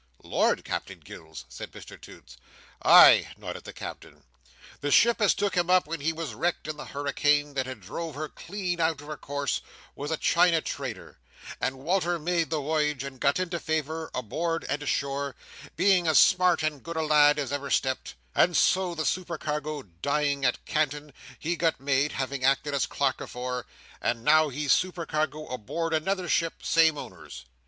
"Lord, Captain Gills!" said Mr Toots. "Ay!" nodded the Captain. "The ship as took him up, when he was wrecked in the hurricane that had drove her clean out of her course, was a China trader, and Wal"r made the woyage, and got into favour, aboard and ashore—being as smart and good a lad as ever stepped—and so, the supercargo dying at Canton, he got made (having acted as clerk afore), and now he's supercargo aboard another ship, same owners.